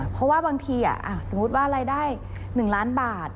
เพราะว่าบางทีสมมุติว่ารายได้๑ล้านบาท